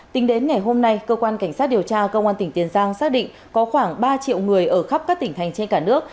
tính đến ngày hôm nay cơ quan cảnh sát điều tra công an tỉnh tiền giang xác định có khoảng ba triệu người ở khắp các tỉnh thành trên cả nước